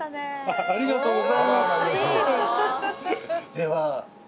では。